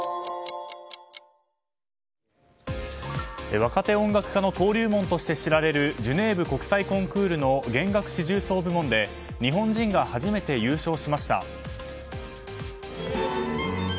若手音楽家の登竜門として知られるジュネーブ国際コンクールの弦楽四重奏部門で日本人が初めて優勝しました。